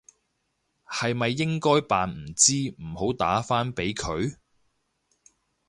係咪應該扮唔知唔好打返俾佢？